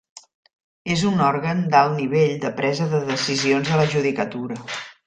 És un òrgan d'alt nivell de presa de decisions de la judicatura.